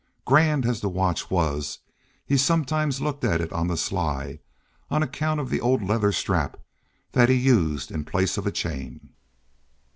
Grand as the watch was, he sometimes looked at it on the sly on account of the old leather strap that he used in place of a chain.